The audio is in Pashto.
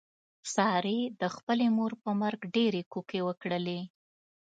سارې د خپلې مور په مرګ ډېرې کوکې وکړلې.